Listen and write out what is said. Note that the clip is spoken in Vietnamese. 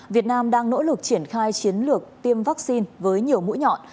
việt nam đang nỗ lực triển khai chiến lược tiêm vaccine với nhiều mũi nhọn